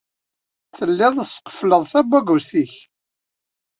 Telliḍ tqeffleḍ tabagust-nnek.